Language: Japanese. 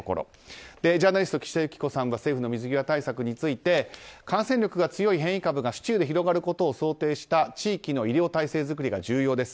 ジャーナリスト、岸田雪子さんは政府の水際対策について感染力が強い変異株が市中で広がることを想定した地域の医療体制作りが重要です。